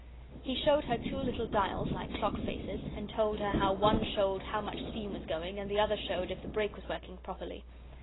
He showed her two little dials, like clock faces, and told her how one showed how much steam was going, and the other showed if the brake was working properly.